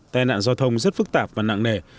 tai nạn giao thông rất phức tạp và nặng nề